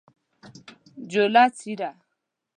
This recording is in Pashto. جوله : څیره